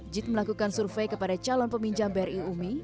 jit melakukan survei kepada calon peminjam bri umi